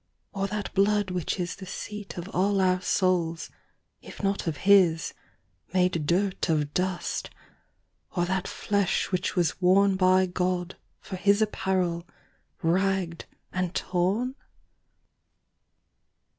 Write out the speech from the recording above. or that blood which isThe seat of all our Soules, if not of his, Made durt of dust, or that flesh which was worneBy God, for his apparell, rag'd, and torne?